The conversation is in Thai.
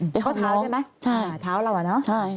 เจ้าเท้าใช่ไหมใช่โอเคใช่ท้าวเราจ๊ะเนาะใช่